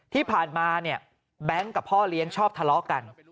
ที่ผ่านมาเนี่ยแบงค์กับพ่อเลี้ยงชอบทะเลาะกัน